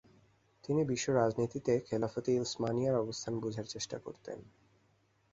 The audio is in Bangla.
তিনি বিশ্ব রাজনীতিতে খেলাফতে উসমানিয়ার অবস্থান বুঝার চেষ্টা করতেন।